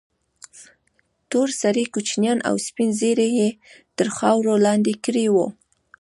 تور سرې كوچنيان او سپين ږيري يې تر خاورو لاندې كړي وو.